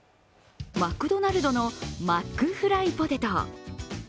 マクドナルドのマックフライポテト。